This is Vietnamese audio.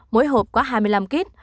mỗi hộp có hai mươi năm kit